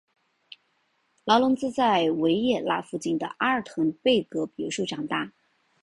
劳伦兹在维也纳附近的阿尔滕贝格别墅长大。